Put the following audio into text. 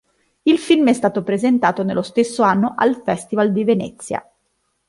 Il film è stato presentato nello stesso anno al Festival di Venezia.